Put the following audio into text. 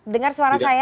dengar suara saya